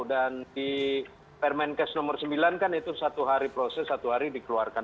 dan di permenkes nomor sembilan kan itu satu hari proses satu hari dikeluarkan